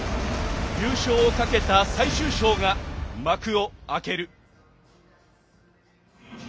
優勝をかけた最終章が幕を開ける。